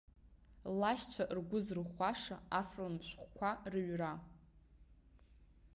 Лашьцәа ргәы зырӷәӷәаша асалам шәҟәқәа рыҩра.